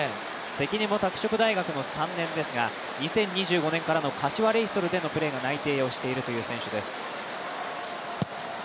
関根も拓殖大学でしたが、２０２５年からの柏レイソルでのプレーが内定をしているという選手です。